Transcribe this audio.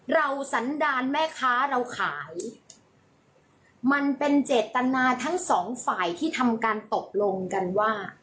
สันดาลแม่ค้าเราขายมันเป็นเจตนาทั้งสองฝ่ายที่ทำการตกลงกันว่า